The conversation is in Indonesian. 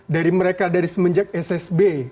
dari mereka dari semenjak ssb